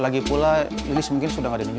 lagipula lelis mungkin sudah gak ada nyonya